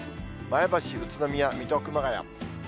前橋、宇都宮、水戸、熊谷。